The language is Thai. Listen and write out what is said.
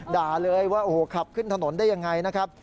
ด่าเลยว่าขับขึ้นถนนได้อย่างไรนะครับ